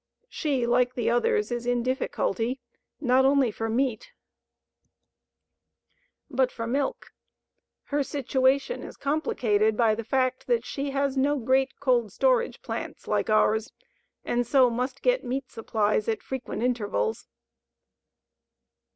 She, like the others, is in difficulty not only for meat, but for milk. Her situation is complicated by the fact that she has no great cold storage plants like ours, and so must get meat supplies at frequent intervals.